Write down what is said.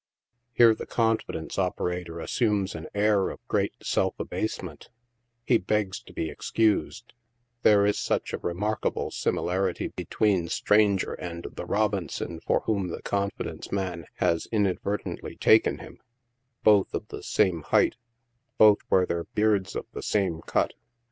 Here the confidence operator assumes an air of great self abasement ; he begs to be excused ; there is such a remarkable similarity between stranger and the Robinson for whom the confidence man has inad vertently taken him ; both of the same hight ; both wear their beards of the same cut.